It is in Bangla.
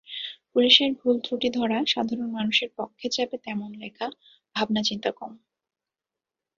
পুলিশের ভুলত্রুটি ধরা, সাধারণ মানুষের পক্ষে যাবে তেমন লেখা, ভাবনাচিন্তা কম।